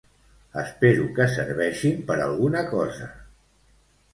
Espero que serveixin per alguna cosa.